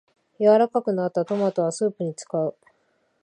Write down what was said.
柔らかくなったトマトはスープに使う